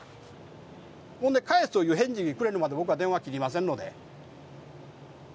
返すという返事くれるまで僕は電話、切りませんので。